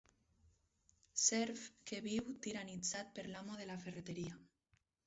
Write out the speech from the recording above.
Serf que viu tiranitzat per l'amo de la ferreteria.